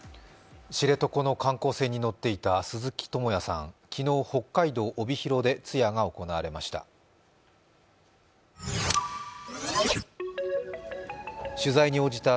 知床の観光船に乗っていた鈴木智也さん、昨日、北海道帯広で通夜が行われました。